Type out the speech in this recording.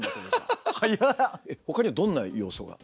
ほかにはどんな要素が？